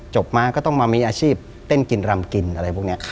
มาก็ต้องมามีอาชีพเต้นกินรำกินอะไรพวกนี้